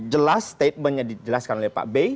jelas statementnya dijelaskan oleh pak bey